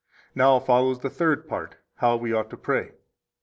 Now follows the third part, how we ought to pray.